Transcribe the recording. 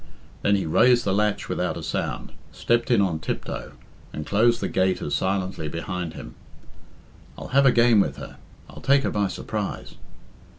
Then he raised the latch without a sound, stepped in on tiptoe, and closed the gate as silently behind him. "I'll have a game with her; I'll take her by surprise."